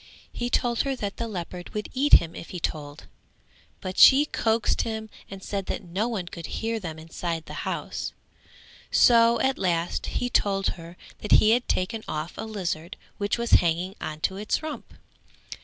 He told her that the leopard would eat him if he told, but she coaxed him and said that no one could hear them inside the house; so at last he told her that he had taken off a lizard which was hanging on to its rump.